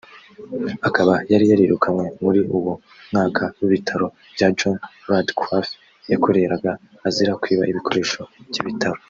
Akaba yari yarirukanywe muri uwo mwaka n’ibitaro bya John Radcliffe yakoreraga azira kwiba ibikoresho by’ibitaro